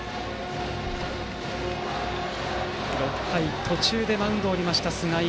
６回途中でマウンドを降りた菅井。